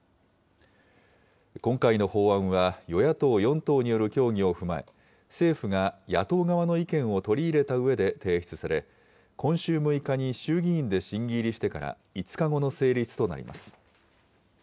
今回の法案は、与野党４党による協議を踏まえ、政府が野党側の意見を取り入れたうえで提出され、今週６日に衆議院で審議入りしてから５日後の成立となります。